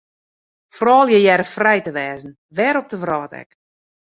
Froulju hearre frij te wêze, wêr op 'e wrâld ek.